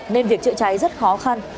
nên việc chữa cháy rất khó khăn